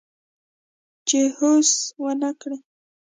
چې هوس ونه کړي